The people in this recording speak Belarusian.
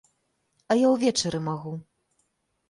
А я ўвечары магу.